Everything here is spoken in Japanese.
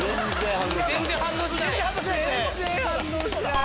全然反応してない。